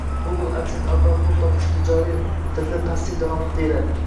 Google adsense orqali pul topish tijorat tilida passiv daromad deyiladi